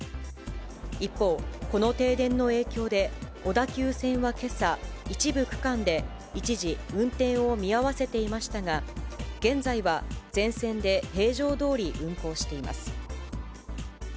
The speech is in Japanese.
一方、この停電の影響で小田急線はけさ、一部区間で一時運転を見合わせていましたが、現在は全線で平常どおり運行しています。